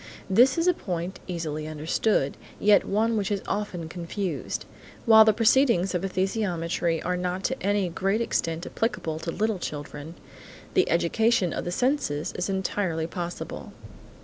This is a point easily understood, yet one which is often confused. While the proceedings of esthesiometry are not to any great extent applicable to little children, the education of the senses is entirely possible.